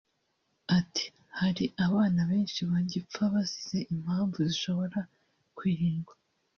Ati “Hari abana benshi bagipfa bazize impamvu zishobora kwirindwa